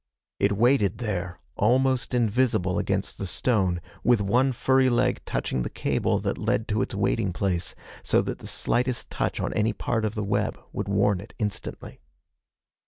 It waited there, almost invisible against the stone, with one furry leg touching the cable that led to its waiting place so that the slightest touch on any part of the web would warn it instantly.